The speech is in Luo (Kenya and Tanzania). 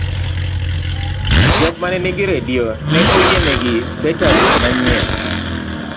jok manenigi redio ne onyienegi betari manyien